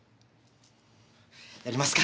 やりますか。